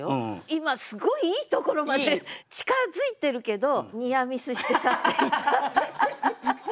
今すごいいいところまで近づいてるけどニアミスして去っていった。